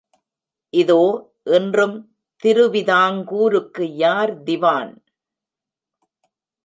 இதோ இன்றும் திருவிதாங்கூருக்கு யார் திவான்?